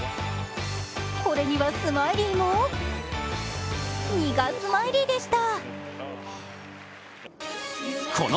これにはスマイリーも苦スマイリーでした。